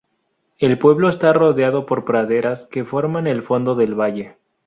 El pueblo está rodeado por praderas que forman el fondo del valle.